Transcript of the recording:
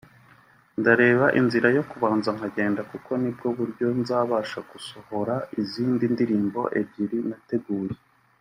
ndareba inzira yo kubanza nkagenda Kuko nibwo buryo nzabasha gusohora izindi ndirimbo ebyiri nateguye